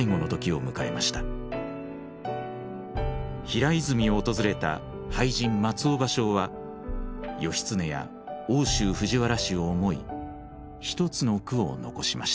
平泉を訪れた俳人松尾芭蕉は義経や奥州藤原氏を思い一つの句を残しました。